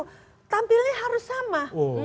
penyanyinya harus sama